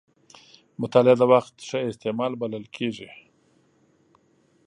مطالعه د وخت ښه استعمال بلل کېږي.